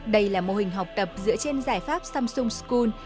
đây là mô hình học tập dựa trên giải pháp samsung scon